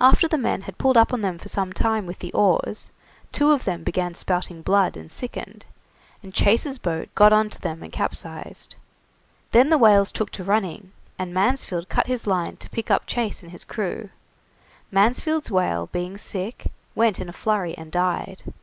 After the men had pulled up on them for some time with the oars, two of them began spouting blood and sickened, and Chase's boat got on to them and capsized. Then the whales took to running, and Mansfield cut his line to pick up Chase and his crew. Mansfield's whale being sick, went in a flurry and died.